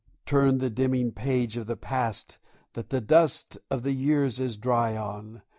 Turn the dimming page of the past that the dust of the years is dry on.